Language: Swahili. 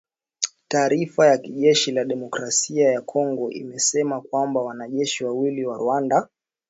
Taarifa ya jeshi la Demokrasia ya Kongo imesema kwamba wanajeshi wawili wa Rwanda